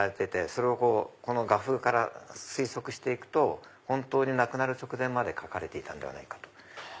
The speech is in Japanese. それをこの画風から推測して行くと本当に亡くなる直前まで描かれていたんではないかと。